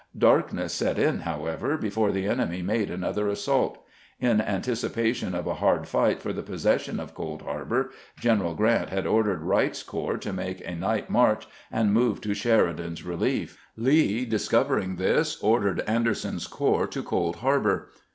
Darkness set in, however, before the enemy made an other assault. In anticipation of a hard fight for the possession of Cold Harbor, G eneral Grant had ordered Wright's corps to make a night march and move to Sheridan's relief. Lee, discovering this, ordered Ander son's corps to Cold Harbor.